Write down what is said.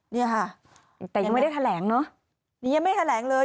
นี่ค่ะยังไม่ได้แถลงเนอะยังไม่ได้แถลงเลย